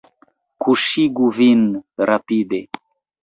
Kuŝigu vin, rapide!